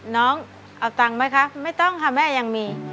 น้องเอาตังค์ไหมคะไม่ต้องค่ะแม่ยังมี